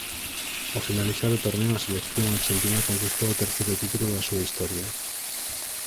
Ao finalizar o torneo a selección arxentina conquistou o terceiro título da súa historia.